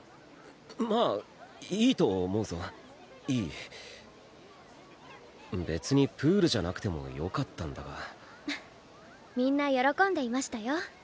まあいいと思うぞいい別にプールじゃなくてもよかったんだがみんな喜んでいましたよ